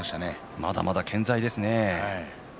まだまだ健在ですね。